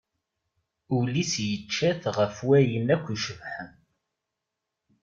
Ul-is yeččat ɣef wayen akk icebḥen.